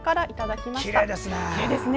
きれいですね。